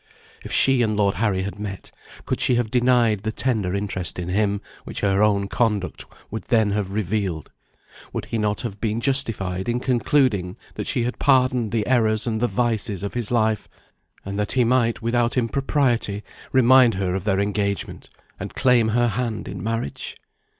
If she and Lord Harry had met, could she have denied the tender interest in him which her own conduct would then have revealed? Would he not have been justified in concluding that she had pardoned the errors and the vices of his life, and that he might without impropriety remind her of their engagement, and claim her hand in marriage?